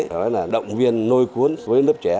đó là động viên nôi cuốn với lớp trẻ